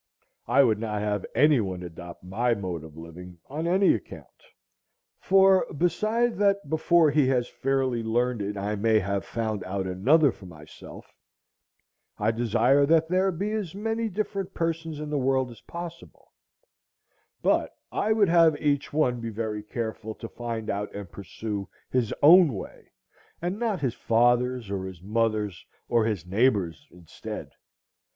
I would not have any one adopt my mode of living on any account; for, beside that before he has fairly learned it I may have found out another for myself, I desire that there may be as many different persons in the world as possible; but I would have each one be very careful to find out and pursue his own way, and not his father's or his mother's or his neighbor's instead.